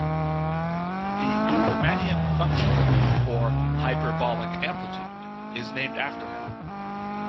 The Gudermannian function, or hyperbolic amplitude, is named after him.